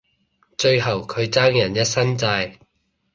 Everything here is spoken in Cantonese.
最後佢爭人一身債